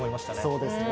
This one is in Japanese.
そうですね。